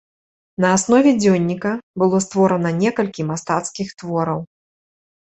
На аснове дзённіка было створана некалькі мастацкіх твораў.